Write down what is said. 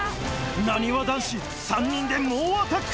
なにわ男子３人で猛アタック